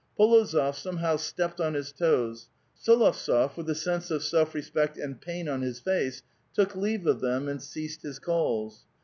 P61ozof somehow stepped on his toes ; S61ovtsof , with a sense of self respect and pain on his face, took leave of them, and ceased his calls.